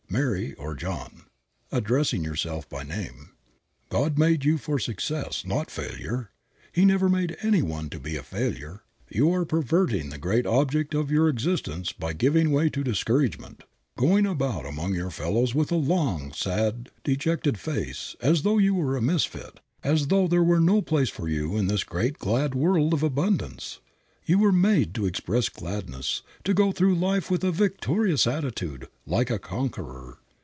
Mary (or John)," addressing yourself by name, "God made you for success, not failure. He never made any one to be a failure. You are perverting the great object of your existence by giving way to discouragement, going about among your fellows with a long, sad, dejected face, as though you were a misfit, as though there were no place for you in this great glad world of abundance. You were made to express gladness, to go through life with a victorious attitude, like a conqueror.